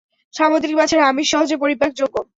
সামুদ্রিক মাছের আমিষ সহজে পরিপাকযোগ্য।